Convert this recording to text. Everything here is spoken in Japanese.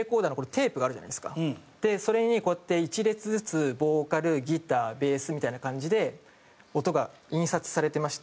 それにこうやって１列ずつボーカルギターベースみたいな感じで音が印刷されてまして。